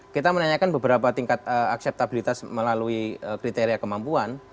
kita menanyakan beberapa tingkat akseptabilitas melalui kriteria kemampuan